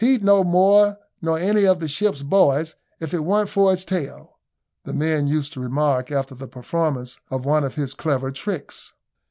"He'd know more nor any of the ship's boys if it weren't for his tail," the men used to remark after the performance of one of his clever tricks.